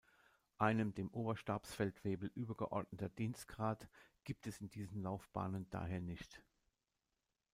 Einen dem Oberstabsfeldwebel übergeordneten Dienstgrad gibt es in diesen Laufbahnen daher nicht.